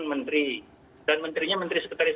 menteri dan menterinya menteri sekretaris